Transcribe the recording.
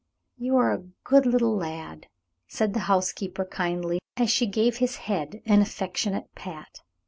"You are a good little lad," said the housekeeper, kindly, as she gave his head an affectionate pat.